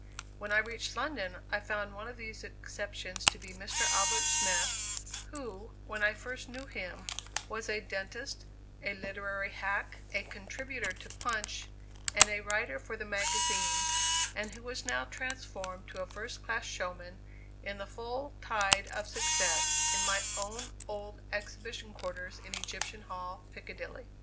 When I reached London, I found one of these exceptions to be Mr. Albert Smith, who, when I first knew him, was a dentist, a literary hack, a contributor to Punch, and a writer for the magazines, and who was now transformed to a first class showman in the full tide of success, in my own old exhibition quarters in Egyptian Hall, Piccadilly.